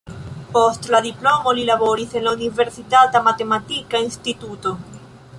Post la diplomo li laboris en la universitata matematika instituto.